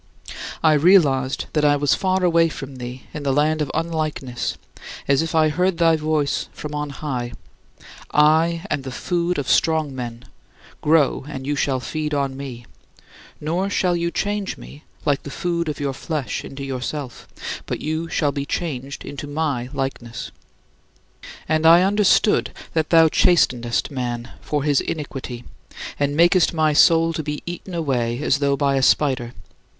I realized that I was far away from thee in the land of unlikeness, as if I heard thy voice from on high: "I am the food of strong men; grow and you shall feed on me; nor shall you change me, like the food of your flesh into yourself, but you shall be changed into my likeness." And I understood that thou chastenest man for his iniquity, and makest my soul to be eaten away as though by a spider.